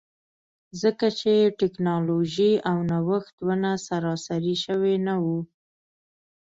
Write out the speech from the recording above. ځکه چې ټکنالوژي او نوښت ونه سراسري شوي نه وو.